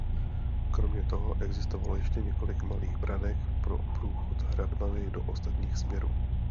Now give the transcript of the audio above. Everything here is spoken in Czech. Kromě toho existovalo ještě několik malých branek pro průchod hradbami do ostatních směrů.